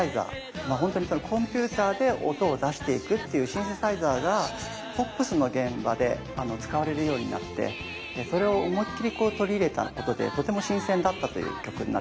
まあほんとにそのコンピューターで音を出していくっていうシンセサイザーがポップスの現場で使われるようになってそれを思いっきりこう取り入れたことでとても新鮮だったという曲になってます。